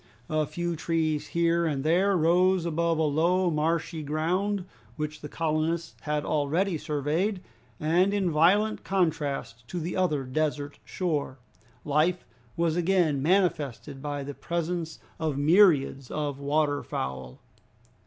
A few trees here and there rose above a low, marshy ground, which the colonists had already surveyed, and in violent contrast to the other desert shore, life was again manifested by the presence of myriads of water fowl.